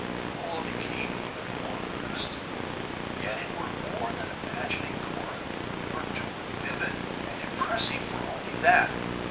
Rolla became even more earnest. "Yet it were more than imagining, Cunora; 'twere too vivid and impressive for only that.